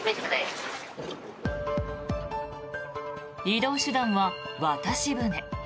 移動手段は渡し船。